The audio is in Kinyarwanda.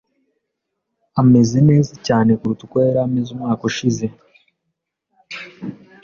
Ameze neza cyane kuruta uko yari ameze umwaka ushize.